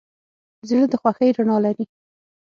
زړه د خوښۍ رڼا لري.